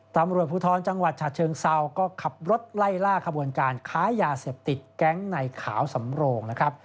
ตำรวจภูทรจังหวัดฉะเชิงเซาก็ขับรถไล่ล่าขบวนการค้ายาเสพติดแก๊งในขาวสำโรงนะครับ